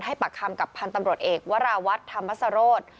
ปากคำกับพันธ์ตำรวจเอกวราวัฒน์ธรรมสโรธ